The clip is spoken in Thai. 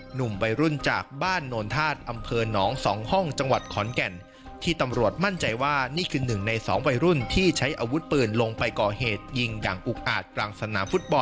หนุ่มวัยรุ่นจากบ้านโนนธาตุอำเภอหนองสองห้องจังหวัดขอนแก่นที่ตำรวจมั่นใจว่านี่คือหนึ่งในสองวัยรุ่นที่ใช้อาวุธปืนลงไปก่อเหตุยิงอย่างอุกอาจกลางสนามฟุตบอล